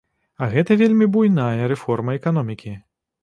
А гэта вельмі буйная рэформа эканомікі.